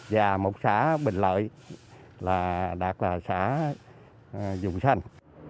và một xã bình lợi đạt xã vùng xanh